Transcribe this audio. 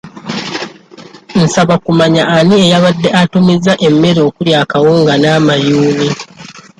Nsaba kumanya ani eyabadde atumizza emmere okuli akawunga n'amayuuni?